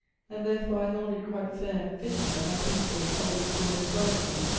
"And, therefore, I hold it quite fair and fitting that my principal shall withdraw his grant to you.